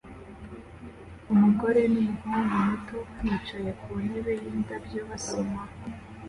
Umugore numuhungu muto bicaye kuntebe yindabyo basoma